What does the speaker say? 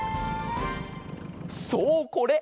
そうこれ！